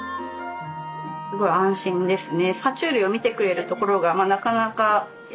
すごい安心ですね。